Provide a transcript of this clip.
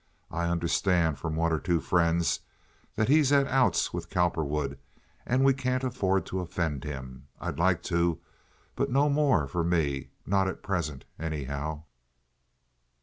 I understand from one or two friends that he's at outs with Cowperwood, and we can't afford to offend him. I'd like to, but no more for me—not at present, anyhow."